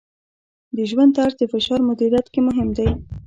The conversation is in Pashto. د ژوند طرز د فشار مدیریت کې مهم دی.